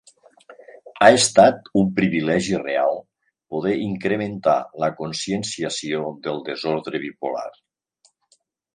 Ha estat un privilegi real poder incrementar la conscienciació del desordre bipolar.